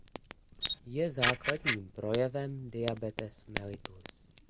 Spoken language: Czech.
Je základním projevem diabetes mellitus.